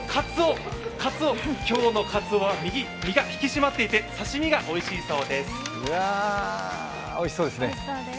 今日のかつおは身が引き締まっていて、刺身がおいしいそうです。